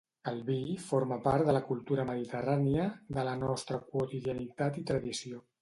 El vi forma part de la cultura mediterrània, de la nostra quotidianitat i tradició.